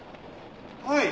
はい。